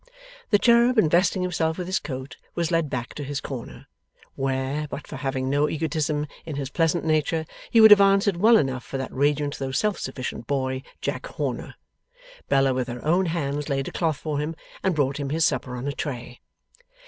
The cherub investing himself with his coat was led back to his corner where, but for having no egotism in his pleasant nature, he would have answered well enough for that radiant though self sufficient boy, Jack Horner Bella with her own hands laid a cloth for him, and brought him his supper on a tray.